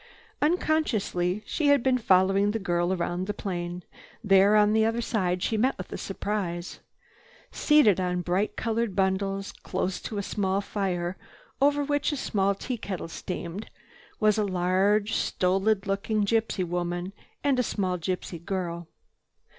Unconsciously she had been following the girl round the plane. There, on the other side, she met with a surprise. Seated on bright colored bundles, close to a small fire over which a small teakettle steamed, was a large, stolid looking gypsy woman and a small gypsy girl.